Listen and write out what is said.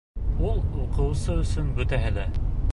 Ул укыусы өсөн бөтәһе лә